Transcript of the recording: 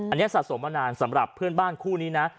อันนี้สะสมมานานสำหรับเพื่อนบ้านคู่นี้นะ